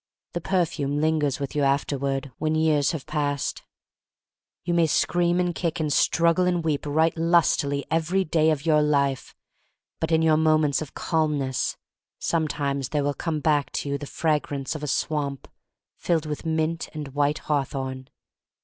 The perfume lingers with you afterward when years have passed. You may scream and kick and struggle and weep right lustily every day of your life, but in your moments of calmness sometimes there will come back to you the fra grance of a swamp filled with mint and white hawthorn.